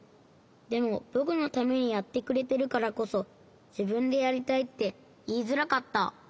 でもぼくのためにやってくれてるからこそじぶんでやりたいっていいづらかった。